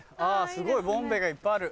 すごいボンベがいっぱいある。